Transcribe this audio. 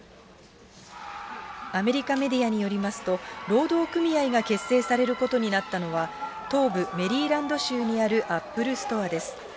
アメリカメディアによりますと、労働組合が結成されることになったのは、東部メリーランド州にあるアップルストアです。